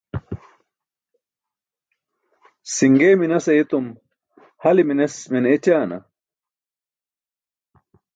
Si̇ṅgee minas ayetum hale minas mene écaana.